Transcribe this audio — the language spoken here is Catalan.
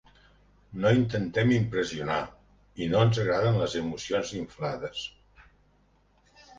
No intentem impressionar, i no ens agraden les emocions inflades.